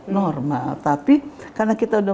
normal tapi karena kita sudah